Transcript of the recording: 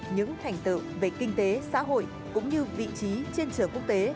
những thành tựu về kinh tế xã hội cũng như vị trí trên trường quốc tế